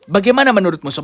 bagaimana menurutmu sobat